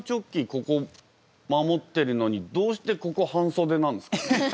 ここ守ってるのにどうしてここ半袖なんですか？